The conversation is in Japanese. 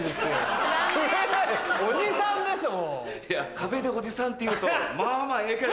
『壁』でおじさんって言うと。